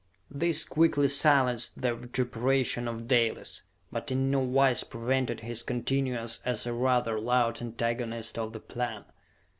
This quickly silenced the vituperation of Dalis, but in no wise prevented his continuance as a rather loud antagonist of the plan.